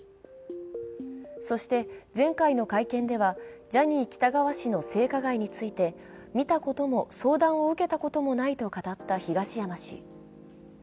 そしてｚん界の会見ではジャニー喜多川氏の性加害について見たことも相談を受けたこともないと語った東山氏。